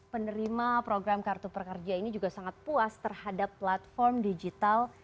penerima program kartu prakerja ini juga sangat puas terhadap platform digital